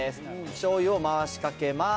しょうゆを回しかけます。